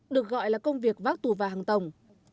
được gọi là công việc vác tù và hàng tổng